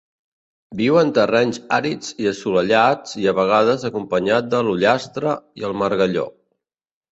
Viu en terrenys àrids i assolellats i a vegades acompanyat de l'ullastre i el margalló.